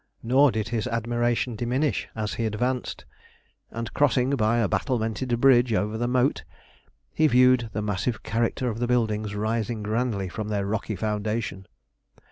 Nor did his admiration diminish as he advanced, and, crossing by a battlemented bridge over the moat, he viewed the massive character of the buildings rising grandly from their rocky foundation.